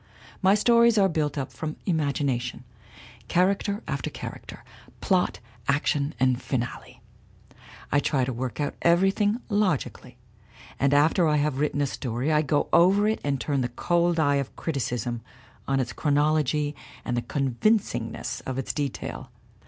My stories are built up from my imagination, character after character, plot, action and finale. I try to work out everything logically, and after I have written a story I go over it and turn the cold eye of criticism on its chronology and the convincingness of its detail.